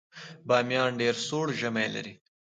بامیان ډیر سوړ ژمی لري